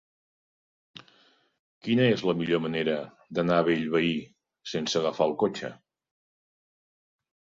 Quina és la millor manera d'anar a Bellvei sense agafar el cotxe?